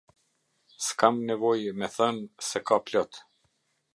S’ kam nevojë me thënë se ka plot.